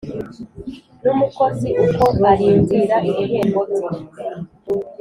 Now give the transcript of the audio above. n’umukozi uko arindira ibihembo bye,